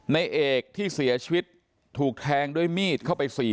ในเอกที่เสียชีวิตถูกแทงด้วยมีดเข้าไปสี่